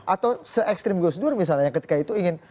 atau se extreme goes dure misalnya ketika itu ingin